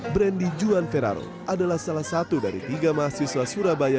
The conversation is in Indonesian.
brandy juan feraro adalah salah satu dari tiga mahasiswa surabaya